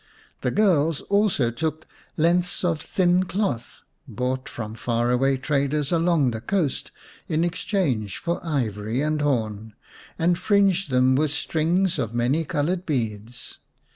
The girls also took lengths of thin cloth, bought from far away traders along the coast in exchange for ivory and horn, and fringed them with strings of many coloured beads.